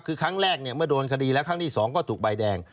คือครั้งแรกเนี่ยเมื่อโดนคดีแล้วครั้งที่๒ก็ถูกใบแดง